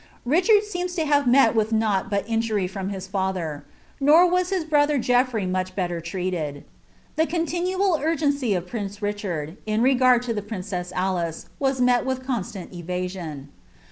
Richard seems to have met with nought but injury from his lathery nor tns Ilia brother Geoffrey much belter Ireutei). The continual upacy of prince Richard, in regard to the princess Alice, was met wub eoiutant evasion.